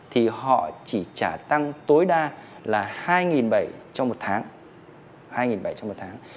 thì họ chỉ trả tăng tối đa là hai bảy trăm linh trong một tháng